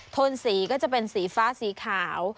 โทนสีก็จะเป็นสีฟ้าสีขาว